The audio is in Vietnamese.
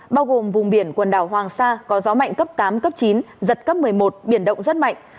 bao gồm vùng biển quần đảo hoàng sa có gió mạnh cấp tám cấp chín giật cấp một mươi một biển động rất mạnh